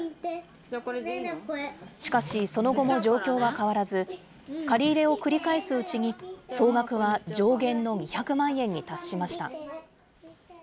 しかし、その後も状況は変わらず、借り入れを繰り返すうちに総額は上限の２００万円に達しました。